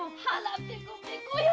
ペコペコよ。